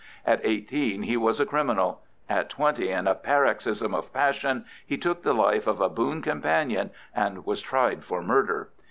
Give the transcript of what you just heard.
At eighteen he was a criminal. At twenty, in a paroxysm of passion, he took the life of a boon companion and was tried for murder.